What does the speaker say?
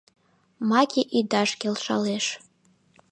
Маке ӱдаш келшалеш.